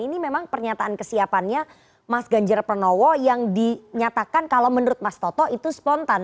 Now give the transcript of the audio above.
ini memang pernyataan kesiapannya mas ganjar pranowo yang dinyatakan kalau menurut mas toto itu spontan